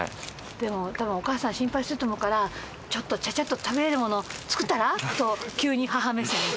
でもたぶんお母さん心配すると思うからちょっとチャチャッと食べられるもの作ったら？と急に母目線。